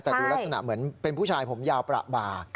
แต่ดูลักษณะเหมือนเป็นผู้ชายผมยาวประบา